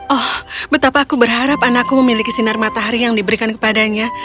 oh betapa aku berharap anakku memiliki sinar matahari yang diberikan kepadanya